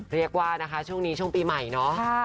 เรียกว่านะคะช่วงนี้ช่วงปีใหม่เนาะ